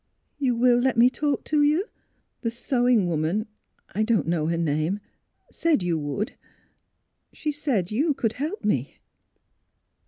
" You will let me talk to you? The sewing woman — I don't know her name — said you would. She said you could help me."